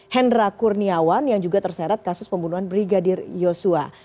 hendra kurniawan yang juga terseret kasus pembunuhan brigadir yosua